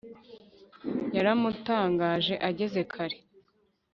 yaramutangaje ageze kare